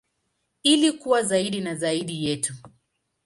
Ili kuwa zaidi na zaidi yetu.